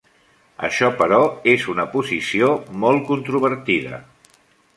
Això, però, és una posició molt controvertida.